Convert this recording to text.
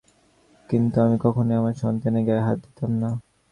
কিন্তু আমি কখনই আমার সন্তানের গায়ে হাত দিতাম না।